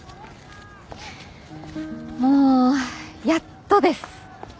もうやっとです。